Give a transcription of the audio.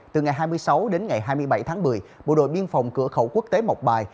từ ngày hai mươi sáu đến ngày hai mươi bảy tháng một mươi bộ đội biên phòng cửa khẩu quốc tế mộc bài